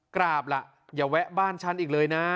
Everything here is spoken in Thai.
กราบล่ะอย่าแวะบ้านฉันอีกเลยนะ